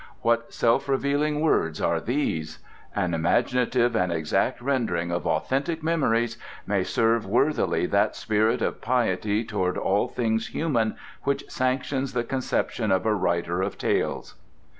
What self revealing words are these: "An imaginative and exact rendering of authentic memories may serve worthily that spirit of piety toward all things human which sanctions the conceptions of a writer of tales."